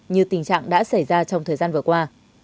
như tình trạng đã xảy ra trong thời gian vừa qua